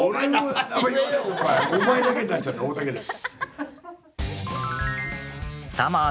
お前だけになっちゃった大竹です。